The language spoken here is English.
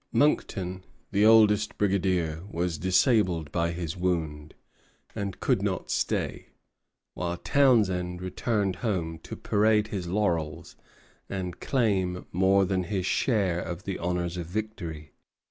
Monckton, the oldest brigadier, was disabled by his wound, and could not stay; while Townshend returned home, to parade his laurels and claim more than his share of the honors of victory.